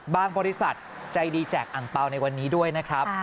บริษัทใจดีแจกอังเปล่าในวันนี้ด้วยนะครับ